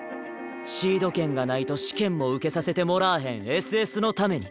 シード権がないと試験も受けさせてもらえへんＳＳのために。